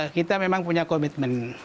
kita memang punya komitmen